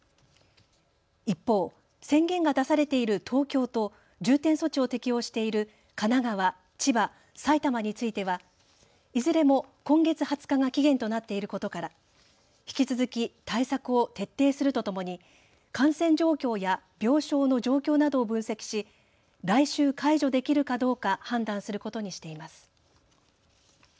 一方、宣言が出されている東京と重点措置を適用している神奈川、千葉、埼玉についてはいずれも今月２０日が期限となっていることから引き続き対策を徹底するとともに感染状況や病床の状況などを分析し来週解除できるかどうか判断することにしています。